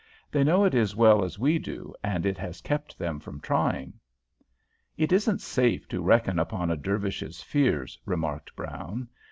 They know it as well as we do, and it has kept them from trying." "It isn't safe to reckon upon a Dervish's fears," remarked Brown.